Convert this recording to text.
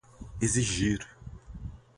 exigir